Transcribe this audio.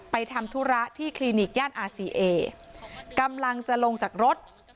ทำธุระที่คลินิกย่านอาซีเอกำลังจะลงจากรถ